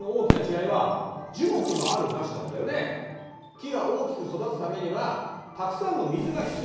木が大きく育つためにはたくさんの水が必要だ。